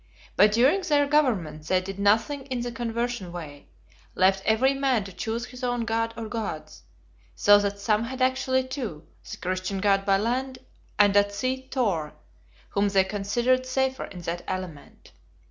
But during their government they did nothing in the conversion way; left every man to choose his own God or Gods; so that some had actually two, the Christian God by land, and at sea Thor, whom they considered safer in that element.